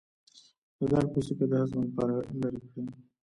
د دال پوستکی د هضم لپاره لرې کړئ